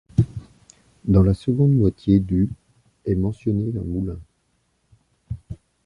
Dans la seconde moitié du est mentionné un moulin.